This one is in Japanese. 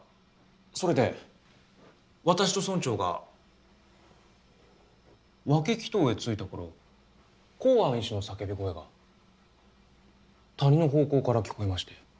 それで私と村長が分鬼頭へ着いた頃幸庵医師の叫び声が谷の方向から聞こえまして。